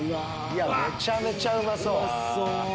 めちゃめちゃうまそう！